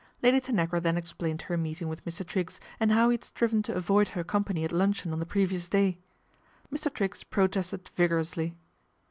Lady Tanagra then explained her meeting with . Triggs and how he had striven to avoid her ompany at luncheon on the previous day. Mr. riggs protested vigorously.